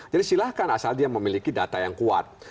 silahkan asal dia memiliki data yang kuat